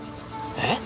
えっ？